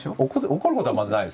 怒ることはまずないですよ。